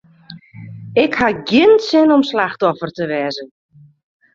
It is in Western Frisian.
Ik haw gjin sin om slachtoffer te wêze.